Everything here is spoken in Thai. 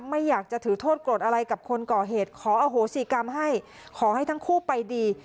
ไม่อยากจะถือโทษโกรธอะไรกับคนก่อเหตุขออโหสิกรรมให้ขอให้ทั้งคู่ไปดี